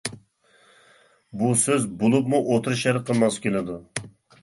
بۇ سۆز بولۇپمۇ ئوتتۇرا شەرققە ماس كېلىدۇ.